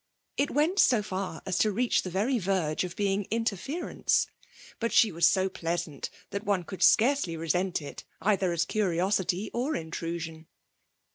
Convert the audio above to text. It went so far as to reach the very verge of being interference; but she was so pleasant that one could scarcely resent it either as curiosity or intrusion.